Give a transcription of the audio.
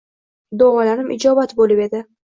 Duolarim ijobat bo‘lib edi.